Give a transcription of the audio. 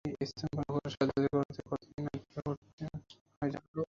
তাকে দিয়ে স্তন বড় করার সার্জারি করাতে কত দিন অপেক্ষা করতে হয় জানো?